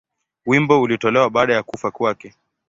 Wimbo ulitolewa baada ya kufa kwake.